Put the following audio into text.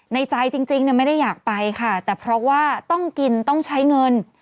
ใจจริงไม่ได้อยากไปค่ะแต่เพราะว่าต้องกินต้องใช้เงิน